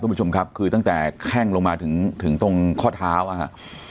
คุณผู้ชมครับคือตั้งแต่แข้งลงมาถึงถึงตรงข้อเท้าอ่ะฮะ